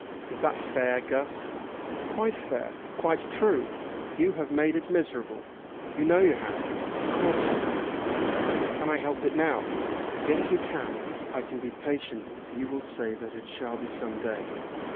"Is that fair, Guss?" "Quite fair! Quite true! You have made it miserable. You know you have. Of course you know it." "Can I help it now?" "Yes you can. I can be patient if you will say that it shall be some day.